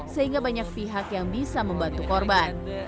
sehingga banyak pihak yang bisa membantu korban